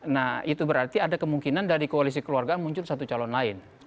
nah itu berarti ada kemungkinan dari koalisi keluargaan muncul satu calon lain